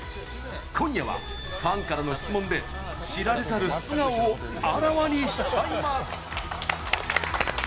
今夜はファンからの質問で知られざる素顔をあらわにしちゃいます。